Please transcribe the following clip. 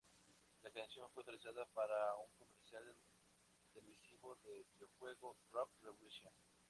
La canción fue utilizada para un comercial televisivo del videojuego Rock Revolution.